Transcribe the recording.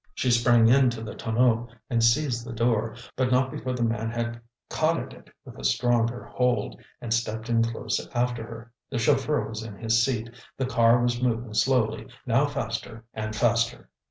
She sprang into the tonneau and seized the door, but not before the man had caught at it with a stronger hold, and stepped in close after her. The chauffeur was in his seat, the car was moving slowly, now faster and faster.